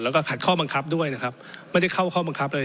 แล้วก็ขัดข้อบังคับด้วยนะครับไม่ได้เข้าข้อบังคับอะไร